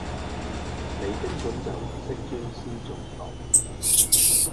你根本就唔識專師重道